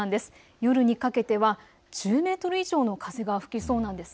夜にかけては１０メートル以上の風が吹きそうなんです。